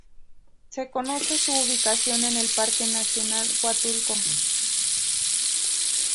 Se conoce su ubicación en el Parque nacional Huatulco.